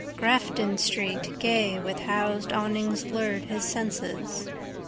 Grafton street gay with housed awnings lured his senses.